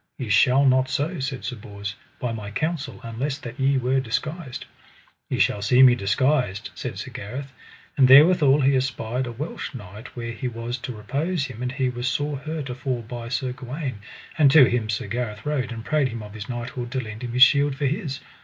Ye shall not so, said Sir Bors, by my counsel, unless that ye were disguised. Ye shall see me disguised, said Sir Gareth; and therewithal he espied a Welsh knight where he was to repose him, and he was sore hurt afore by Sir Gawaine, and to him Sir Gareth rode, and prayed him of his knighthood to lend him his shield for his.